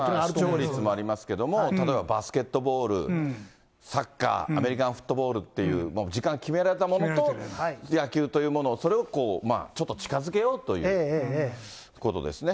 視聴率もありますけれども、例えばバスケットボール、サッカー、アメリカンフットボールっていう、もう時間決められたものと、野球というものを、それをこう、ちょっと近づけようということですね。